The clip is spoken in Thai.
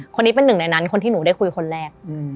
คนนี้เป็นหนึ่งในนั้นคนที่หนูได้คุยคนแรก